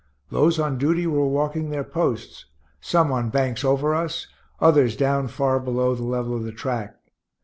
Those on duty were walking their posts, some on banks over us, others down far below the level of the track.